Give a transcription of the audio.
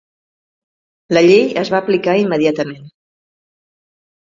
La llei es va aplicar immediatament.